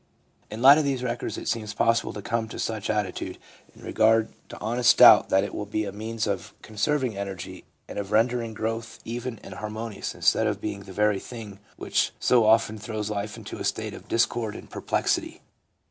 In the light of these records, it seems possible to come to such an attitude in regard to honest doubt that it will be a means of conserving energy and of rendering growth eyei} and harmonious instead of being the very thing GROWTH WITHOUT DEFINITE TRANSITIONS 305 which so often throws life into a state of discord and perplexity.